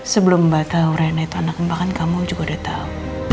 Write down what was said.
sebelum mbak tahu rena itu anak mbak kan kamu juga udah tahu